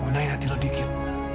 gunain hati lo dikit